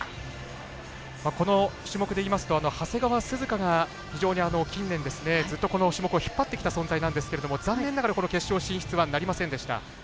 この種目でいいますと長谷川涼香が非常に近年、ずっと、この種目を引っ張ってきた存在なんですけど決勝進出はなりませんでした。